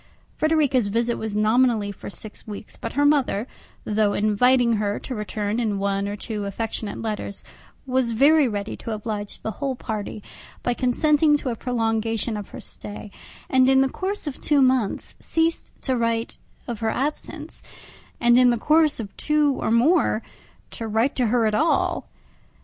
Frederica's visit was nominally for six weeks, but her mother, though inviting her to return in one or two affectionate letters, was very ready to oblige the whole party by consenting to a prolongation of her stay, and in the course of two months ceased to write of her absence, and in the course of two more to write to her at all.